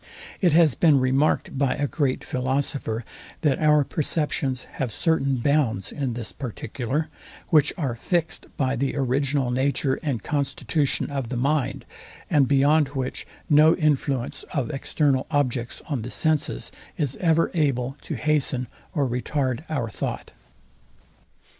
It has been remarked by a great philosopher, that our perceptions have certain bounds in this particular, which are fixed by the original nature and constitution of the mind, and beyond which no influence of external objects on the senses is ever able to hasten or retard our thought.